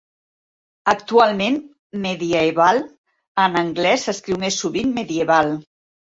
Actualment, mediaeval en anglès s'escriu més sovint medieval.